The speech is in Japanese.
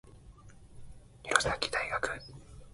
ｆｊｖｋｆ りう ｇｖｔｇ ヴ ｔｒ ヴぃ ｌ